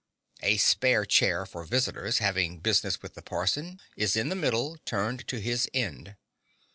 A spare chair for visitors having business with the parson is in the middle, turned to his end.